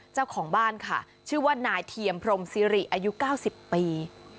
เจ้าของบ้านค่ะชื่อว่านายเทียมพรมซิริอายุ๙๐ปี